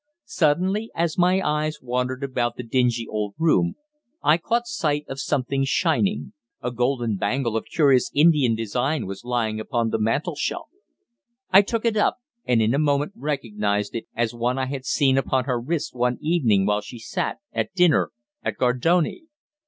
Suddenly, as my eyes wandered about the dingy old room, I caught sight of something shining. A golden bangle of curious Indian design was lying upon the mantelshelf. I took it up, and in a moment recognized it as one I had seen upon her wrist one evening while she sat at dinner at Gardone.